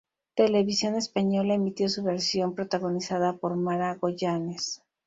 Televisión Española emitió su versión protagonizada por Mara Goyanes.